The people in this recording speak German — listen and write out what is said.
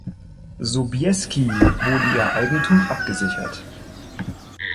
Sobieski, wurde ihr Eigentum abgesichert.